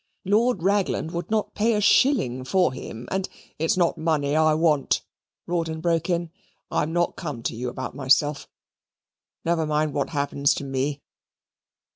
Lord Ragland would not pay a shilling for him, and " "It's not money I want," Rawdon broke in. "I'm not come to you about myself. Never mind what happens to me."